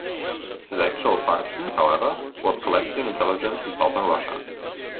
His actual function, however, was collecting intelligence in southern Russia.